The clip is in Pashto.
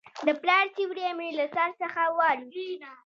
د پلار سیوری مې له سر څخه والوت.